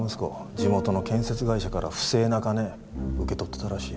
地元の建設会社から不正な金受け取ってたらしい。